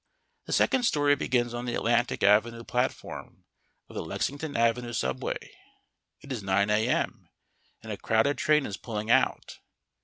The second story begins on the Atlantic Avenue platform of the Lexington Avenue subway. It is 9 A.M., and a crowded train is pulling out.